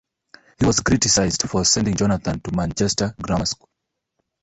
He was criticised for sending Jonathan to Manchester Grammar School.